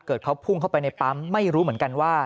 เขาพุ่งเข้าไปในปั๊มไม่รู้เหมือนกันว่า